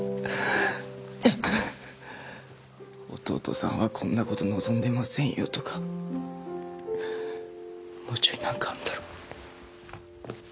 「弟さんはこんなこと望んでませんよ」とかもうちょいなんかあんだろ。